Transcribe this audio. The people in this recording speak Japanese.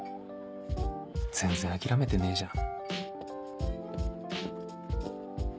全然諦めてねえじゃん